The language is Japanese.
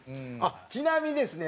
ちなみにですね